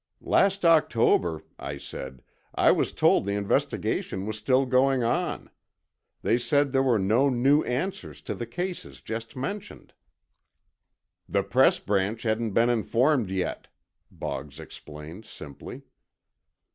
"Last October," I said, "I was told the investigation was still going on. They said there were no new answers to the cases just mentioned." "The Press Branch hadn't been informed yet," Boggs explained simply.